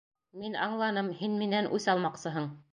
Мин аңланым: һин минән үс алмаҡсыһың.